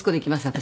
私。